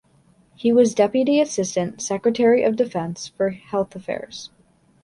He was Deputy Assistant Secretary of Defense for Health Affairs.